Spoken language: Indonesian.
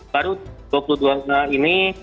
baru dua puluh dua ini